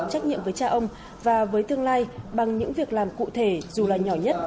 trách nhiệm với cha ông và với tương lai bằng những việc làm cụ thể dù là nhỏ nhất